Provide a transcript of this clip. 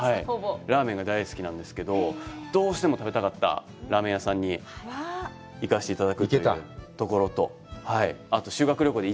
ラーメンが大好きなんですけど、どうしても食べたかったラーメン屋さんに行かせていただくという。